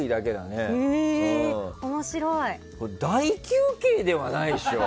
あれ、大休憩ではないでしょ？